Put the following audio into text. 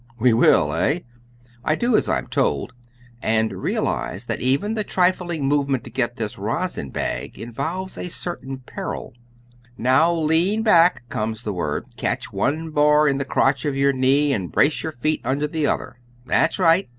We will, eh? I do as I am told, and realize that even the trifling movement to get this rosin bag involves a certain peril. "Now lean back," comes the word; "catch one bar in the crotch of your knees and brace your feet under the other. That's right.